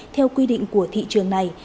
theo quy định của thị trường này